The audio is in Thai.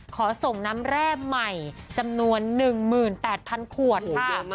ขอส่งน้ำแร่ใหม่จำนวน๑๘๐๐๐ขวดค่ะ